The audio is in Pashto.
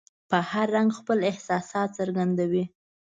په هر رنګ خپل احساسات څرګندوي.